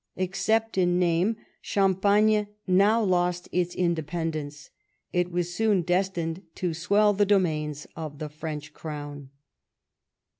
Except in name, Champagne now lost its independence. It was soon destined to swell the domains of the French crown.